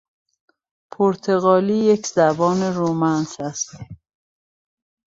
پرتغالی یک زبان رومانس است.